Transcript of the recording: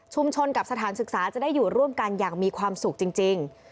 กับสถานศึกษาจะได้อยู่ร่วมกันอย่างมีความสุขจริง